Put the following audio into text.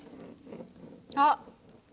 あっ。